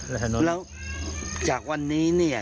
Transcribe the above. แล้วจากวันนี้เนี่ย